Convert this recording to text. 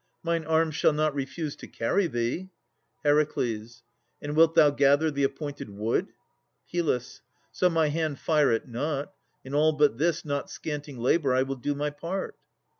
Mine arms shall not refuse to carry thee. HER. And wilt thou gather the appointed wood? HYL. So my hand fire it not. In all but this, Not scanting labour, I will do my part.